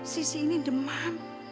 sisi ini demam